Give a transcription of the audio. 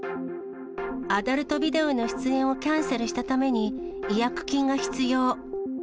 アダルトビデオの出演をキャンセルしたために、違約金が必要。